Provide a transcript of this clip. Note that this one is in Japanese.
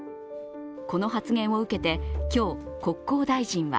この発言を受けて、今日国交大臣は